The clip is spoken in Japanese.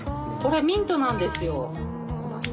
これミントなんですよ。